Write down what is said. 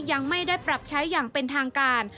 ยังไม่ได้ปรับใช้อย่างเป็นทางการ